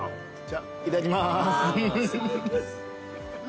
いただきます。